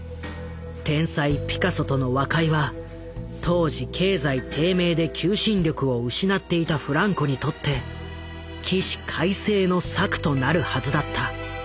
天才ピカソとの和解は当時経済低迷で求心力を失っていたフランコにとって起死回生の策となるはずだった。